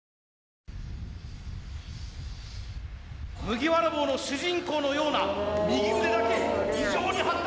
麦わら帽の主人公のような右腕だけ異常に発達！